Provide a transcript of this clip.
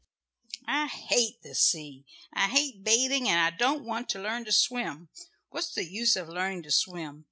] "I hate the sea, I hate bathing, and I don't want to learn to swim. What's the use of learning to swim?